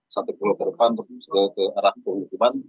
satu kilo ke depan satu kilo ke arah penghutupan